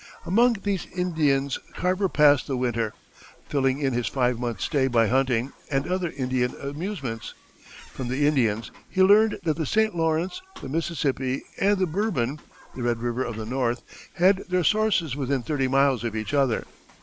Among these Indians Carver passed the winter, filling in his five months' stay by hunting and other Indian amusements. From the Indians he learned that the St. Lawrence, the Mississippi, and the Bourbon (the Red River of the North) had their sources within thirty miles of each other.